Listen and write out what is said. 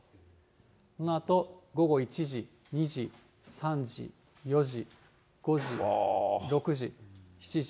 このあと午後１時、２時、３時、４時、５時、６時、７時。